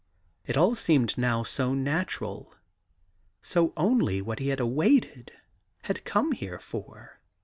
It all seemed now so natural, so only what he had awaited, had come here for.